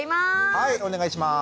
はいお願いします。